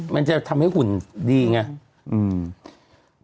มันจะทำให้หุ่นดีไง